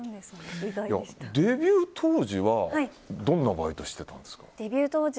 デビュー当時はどんなバイトしてたんですか？